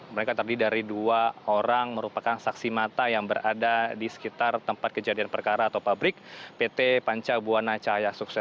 mereka terdiri dari dua orang merupakan saksi mata yang berada di sekitar tempat kejadian perkara atau pabrik pt panca buana cahaya